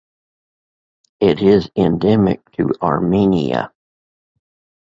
It is endemic to Armenia.